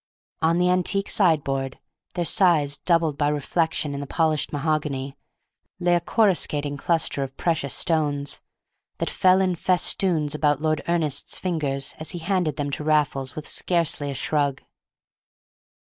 On the antique sideboard, their size doubled by reflection in the polished mahogany, lay a coruscating cluster of precious stones, that fell in festoons about Lord Ernest's fingers as he handed them to Raffles with scarcely a shrug.